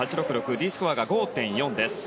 Ｄスコアが５．４です。